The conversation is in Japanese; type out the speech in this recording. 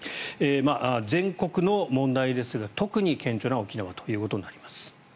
全国の問題ですが特に顕著な沖縄ということになります。